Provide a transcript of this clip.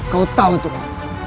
kau tahu itu apa